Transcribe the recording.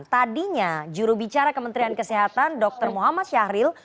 tadinya jurubicara kementerian kesehatan dr muhammad syahril